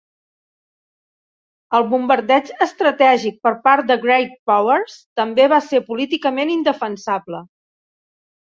El bombardeig estratègic per part de Great Powers també va ser políticament indefensable.